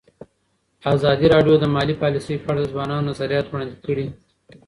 ازادي راډیو د مالي پالیسي په اړه د ځوانانو نظریات وړاندې کړي.